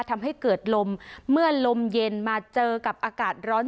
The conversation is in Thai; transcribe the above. ทำให้เกิดลมเมื่อลมเย็นมาเจอกับอากาศร้อน